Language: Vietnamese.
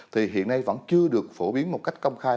thì hiện nay vẫn chưa được phổ biến một cách công khai